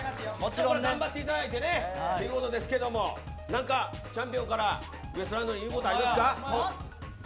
もちろん頑張っていただいてね。ということですけども何かチャンピオンからウエストランドに言うことありますか。